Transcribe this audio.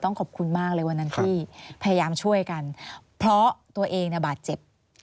ขอบคุณมากเลยวันนั้นที่พยายามช่วยกันเพราะตัวเองเนี่ยบาดเจ็บ